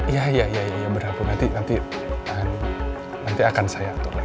ya ya ya ya ya berhapus nanti nanti nanti akan saya atur lagi